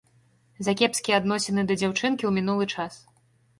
За кепскія адносіны да дзяўчынкі ў мінулы час.